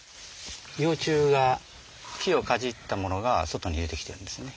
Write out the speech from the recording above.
幼虫が木をかじったものが外に出てきてるんですね。